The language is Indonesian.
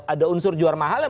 ada unsur juara mahal